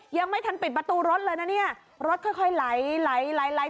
ยังไม่ทันปิดประตูรถเลยนะเนี่ยรถค่อยค่อยไหลไหล